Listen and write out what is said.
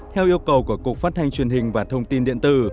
theo yêu cầu của cục phát thanh truyền hình và thông tin điện tử